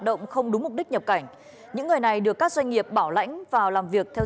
động không đúng mục đích nhập cảnh những người này được các doanh nghiệp bảo lãnh vào làm việc theo